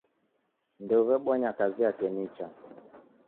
Ndeuw'ebonya kazi yake nicha.